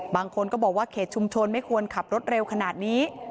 บางคนก็บอกว่าเขตชุมชนไม่ควรขับรถเร็วขนาดนี้